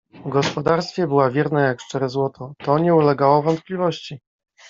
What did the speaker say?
W gospodarstwie była wierna jak szczere złoto — to nie ulegało wątpliwości!